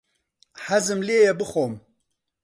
حەزم لێیە بخۆم.